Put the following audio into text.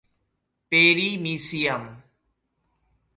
Perimysium.